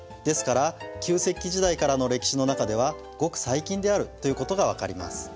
ですから旧石器時代からの歴史の中ではごく最近であるということが分かります。